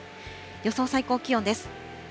予想最高気温です。